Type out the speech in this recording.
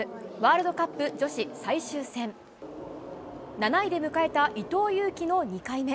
７位で迎えた伊藤有希の２回目。